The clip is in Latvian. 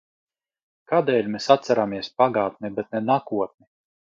Kādēļ mēs atceramies pagātni, bet ne nākotni?